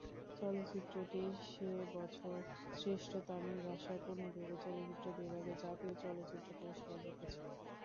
চলচ্চিত্রটি সে বছর "শ্রেষ্ঠ তামিল ভাষার পূর্ণদৈর্ঘ্য চলচ্চিত্র" বিভাগে জাতীয় চলচ্চিত্র পুরস্কার জিতেছিল।